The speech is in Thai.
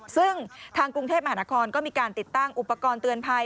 ซึ่งทางกรุงเทพมหานครก็มีการติดตั้งอุปกรณ์เตือนภัย